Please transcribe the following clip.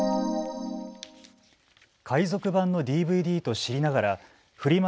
海賊版のＤＶＤと知りながらフリマ